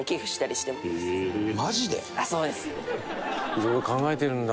いろいろ考えてるんだ。